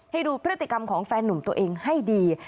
ให้ดูพฤติกรรมของแฟนหนุ่มตัวเองให้ดี